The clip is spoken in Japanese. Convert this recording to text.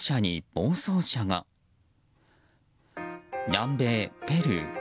南米ペルー。